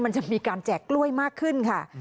มันจะมีการแจกกล้วยมากขึ้นค่ะ